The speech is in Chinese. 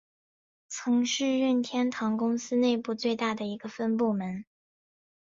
曾是任天堂公司内部最大的一个分部门。